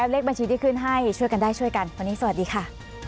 เลขบัญชีที่ขึ้นให้ช่วยกันได้ช่วยกันวันนี้สวัสดีค่ะ